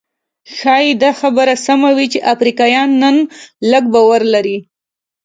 ښايي دا خبره سمه وي چې افریقایان نن لږ باور لري.